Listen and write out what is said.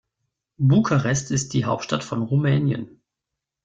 Bukarest ist die Hauptstadt von Rumänien.